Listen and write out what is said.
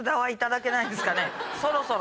そろそろ。